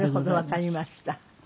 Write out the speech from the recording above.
わかりました。